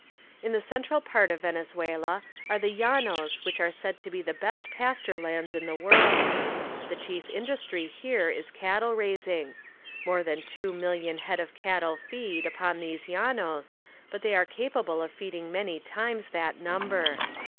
In the central part of Venezuela are the llanos which are said to be about the best pasture lands in the world. The chief industry here is cattle raising. More than two million head of cattle feed, upon these llanos, but they are capable of feeding many times that number.